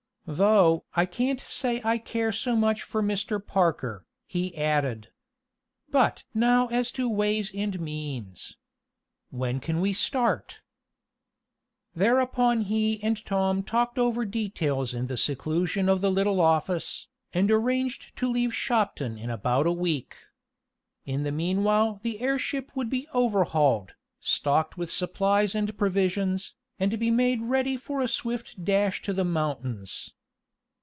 "Though I can't say I care so much for Mr. Parker," he added. "But now as to ways and means. When can we start?" Thereupon he and Tom talked over details in the seclusion of the little office, and arranged to leave Shopton in about a week. In the meanwhile the airship would be overhauled, stocked with supplies and provisions, and be made ready for a swift dash to the mountains.